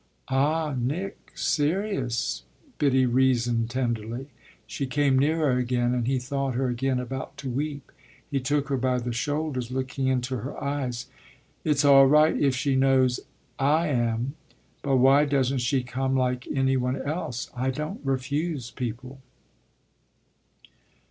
"Ah Nick serious!" Biddy reasoned tenderly. She came nearer again and he thought her again about to weep. He took her by the shoulders, looking into her eyes. "It's all right if she knows I am. But why doesn't she come like any one else? I don't refuse people!"